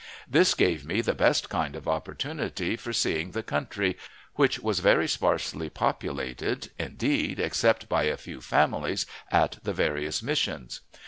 This gave me the best kind of an opportunity for seeing the country, which was very sparsely populated indeed, except by a few families at the various Missions.